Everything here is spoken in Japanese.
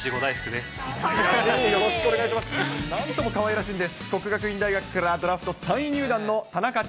なんともかわいらしいんです。